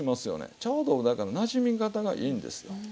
ちょうどだからなじみ方がいいんですよ。